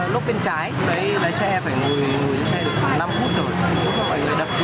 lấy xe phải ngồi ngồi xe được năm phút rồi